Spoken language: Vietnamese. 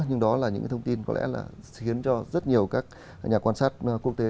nhưng đó là những thông tin có lẽ là khiến cho rất nhiều các nhà quan sát quốc tế